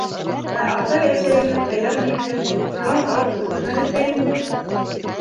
Ә атай-әсәйебеҙ һыйыр бирҙе, шунан алып өҙөлмәнек тә инде.